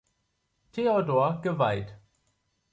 Theodor geweiht.